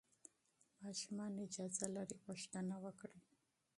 ماشومان اجازه لري پوښتنه وکړي.